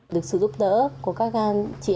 được sự giúp đỡ của các ngàn chị